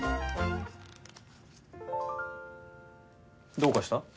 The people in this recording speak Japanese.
どうかした？